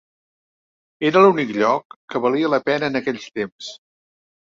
Era l'únic lloc que valia la pena en aquells temps.